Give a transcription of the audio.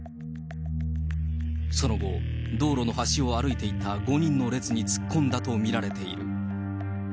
その後、道路の端を歩いていた５人の列に突っ込んだと見られている。